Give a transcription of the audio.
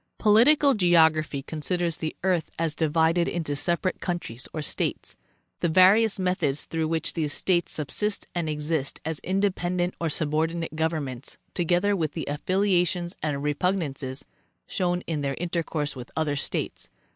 . Political geography considers the earth as divided into separate countries or states, the various methods through which these states subsist and exist as independent or subordinate govern _ments, together with the affiliations and repugnances shown in their intercourse with other states.